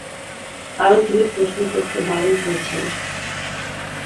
কারণ তুমি প্রশ্ন করতে বারণ করেছিলে।